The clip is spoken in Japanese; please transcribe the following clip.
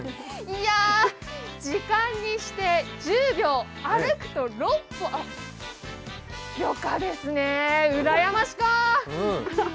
いやぁ、時間にして１０秒、あるくと６歩。よかですね、うらやましか。